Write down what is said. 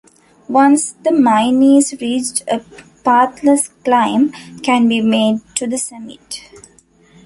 Once the mine is reached a pathless climb can be made to the summit.